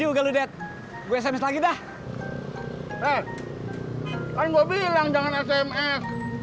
yaudah lo ke rumah aja ada babek kok